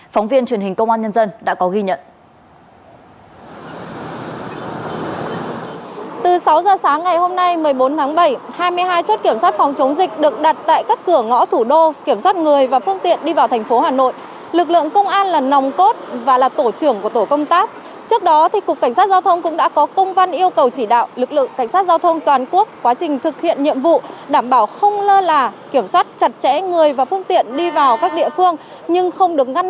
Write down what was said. phóng viên truyền hình công an nhân dân đã có ghi nhận